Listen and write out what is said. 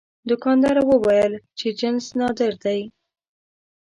دوکاندار وویل چې جنس نادر دی.